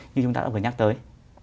như chúng ta đã vừa nhắc tới